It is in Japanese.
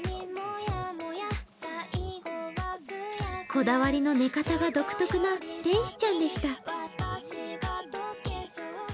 こだわりの寝方が独特な天使ちゃんでした。